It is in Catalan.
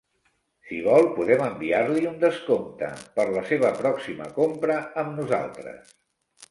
Si vol podem enviar-li un descompte per la seva pròxima compra amb nosaltres.